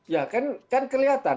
ya kan kelihatan